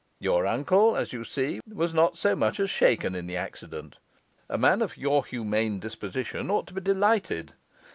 Your uncle, as you see, was not so much as shaken in the accident; a man of your humane disposition ought to be delighted.